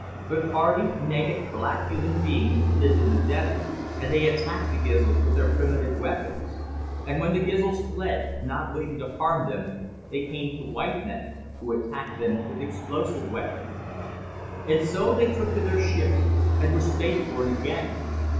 But hardy, naked, black human beings lived in the desert and they attacked the Gizls with their primitive weapons. And when the Gizls fled, not wishing to harm them, they came to white men, who attacked them with explosive weapons. And so they took to their ships and were spaceborne again.